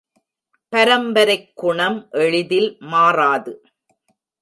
பரம்பரைக்குணம் எளிதில் மாறாது.